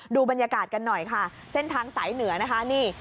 ดูบรรยากาศกันหน่อยค่ะเส้นทางสายเหนือนะคะนี่